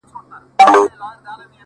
څه لېونۍ شاني گناه مي په سجده کي وکړه _